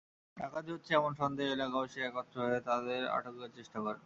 ডাকাতি হচ্ছে এমন সন্দেহে এলাকাবাসী একত্র হয়ে তাঁদের আটকের চেষ্টা করেন।